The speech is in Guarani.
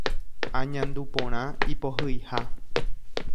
Añandu porã ipohyiha.